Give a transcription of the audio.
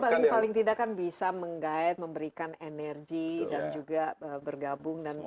tapi bali paling tidak kan bisa menggait memberikan energi dan juga bergabung